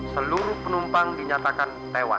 seluruh penumpang dinyatakan tewas